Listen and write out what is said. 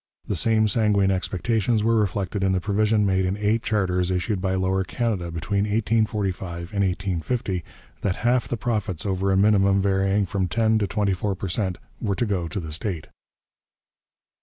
The same sanguine expectations were reflected in the provision made in eight charters issued by Lower Canada between 1845 and 1850, that half the profits over a minimum varying from ten to twenty four per cent were to go to the state.